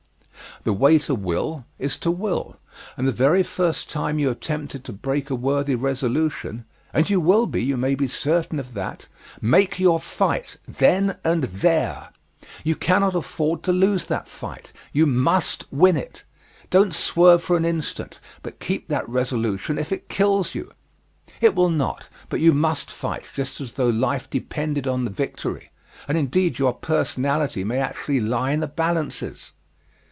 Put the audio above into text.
_ The way to will is to will and the very first time you are tempted to break a worthy resolution and you will be, you may be certain of that make your fight then and there. You cannot afford to lose that fight. You must win it don't swerve for an instant, but keep that resolution if it kills you. It will not, but you must fight just as though life depended on the victory; and indeed your personality may actually lie in the balances!